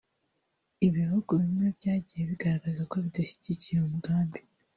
Ibihugu bimwe byagiye bigaragaza ko bidashyigikiye uwo mugambi